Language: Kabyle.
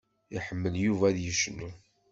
Iḥemmel Yuba ad yecnu.